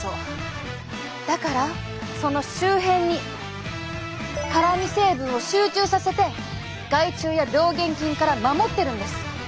だからその周辺に辛み成分を集中させて害虫や病原菌から守ってるんです。